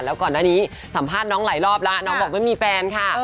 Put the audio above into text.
แล้วก่อนหน้านี้สัมภาษณ์น้องหลายรอบแล้วน้องบอกไม่มีแฟนค่ะ